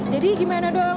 jadi gimana dong